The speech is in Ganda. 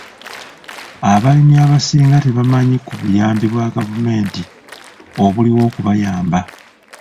Abalimi abasinga tebamanyi ku buyambi bwa gavumenti obuliwo okubayamba.